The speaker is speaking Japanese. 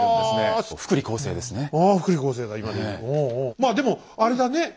まあでもあれだね